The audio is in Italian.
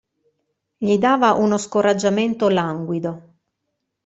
Gli dava uno scoraggiamento languido.